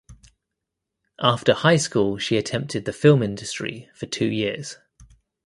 After high school she attempted the film industry for two years.